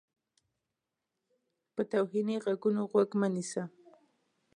په توهیني غږونو غوږ مه نیسه.